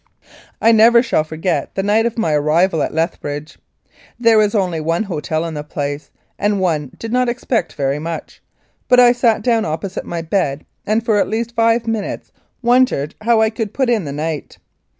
I never shall forget the night of my arrival at Leth bridge. There was only one hotel in the place, and one did not expect very much, but I sat down opposite my bed and for at least five minutes wondered how I could put in the night.